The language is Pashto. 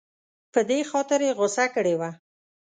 په دې خاطر یې غوسه کړې وه.